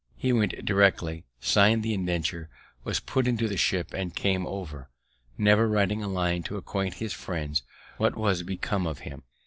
He went directly, sign'd the indentures, was put into the ship, and came over, never writing a line to acquaint his friends what was become of him.